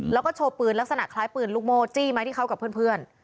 แล้วก็โชว์ปืนลักษณะคล้ายปืนลูกโม่จี้มาที่เขากับเพื่อน